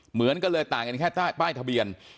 เหมือนกันเลยต่างกันแค่ป้ายทะเบียน